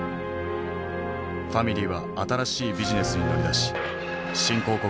ファミリーは新しいビジネスに乗り出し新興国